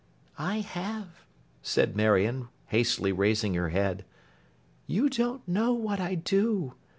'I have,' said Marion, hastily raising her head. 'You don't know what I do.